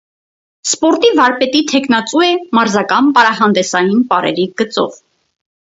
Սպորտի վարպետի թեկնածու է մարզական պարահանդեսային պարերի գծով։